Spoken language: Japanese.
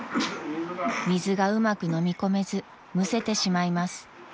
［水がうまく飲み込めずむせてしまいます］